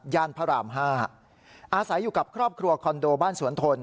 พระราม๕อาศัยอยู่กับครอบครัวคอนโดบ้านสวนทน